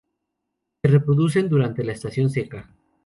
Se reproducen durante la estación seca.